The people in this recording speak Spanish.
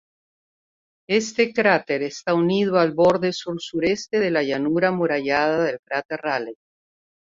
Este cráter está unido al borde sur-sureste de la llanura amurallada del cráter Rayleigh.